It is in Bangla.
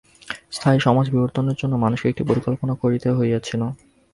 স্থায়ী সমাজ-বিবর্তনের জন্য মানুষকে একটি পরিকল্পনা করিতে হইয়াছিল।